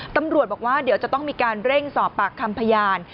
ตำรวจบอกว่าเดี๋ยวจะต้องมีการเร่งสอบปากคำพยาน